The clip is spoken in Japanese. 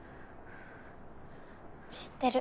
知ってる。